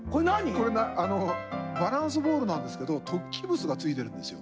これバランスボールなんですけど突起物がついてるんですよ。